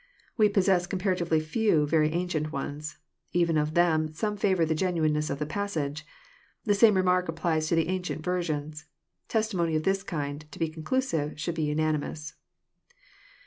We possess comparatively few very ancient ones. Even of them, %ome favour the genuineness of the passage. — The same remark applies to the ancient versions. Testimony of this kind, to be conclusive, should be unanimous.